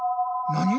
なに？